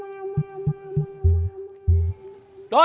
ya sayang yuk